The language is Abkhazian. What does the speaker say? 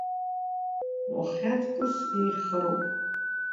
Уаххьа аҵкыс еиӷьхароуп.